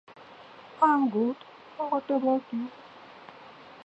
The South Georgia Regional Library operates the W. L. Miller Memorial Library in Lakeland.